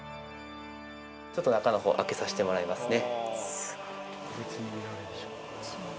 ちょっと中の方開けさせてもらいますね。